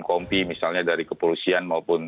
kompi misalnya dari kepolisian maupun